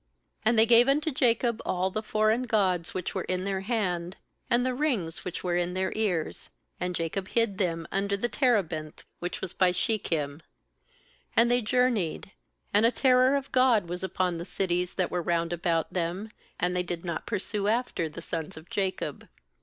4And they gave unto Jacob all the foreign gods which were in their hand, and the rings which were in their ears; and Jacob hid them under the terebinth which was by Shechem. BAnd they journeyed; and a terror of God was upon the cities that were round about them, and they did not pursue after the sons of Jacob.